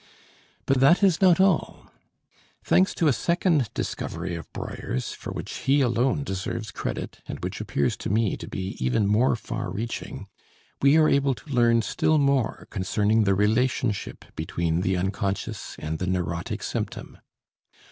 But that is not all. Thanks to a second discovery of Breuer's, for which he alone deserves credit and which appears to me to be even more far reaching, we are able to learn still more concerning the relationship between the unconscious and the neurotic symptom.